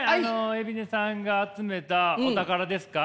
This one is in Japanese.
海老根さんが集めたお宝ですか？